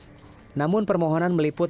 saya tidak menerima pertanyaan tersebut